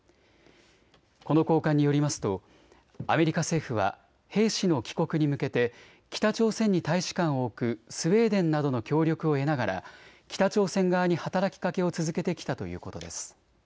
この高官によりますとアメリカ政府は兵士の帰国に向けて北朝鮮に大使館を置くスウェーデンなどの協力を得ながら北朝鮮側に働きかけを続けてきたということです。